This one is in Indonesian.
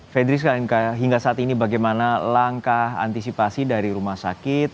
fedri hingga saat ini bagaimana langkah antisipasi dari rumah sakit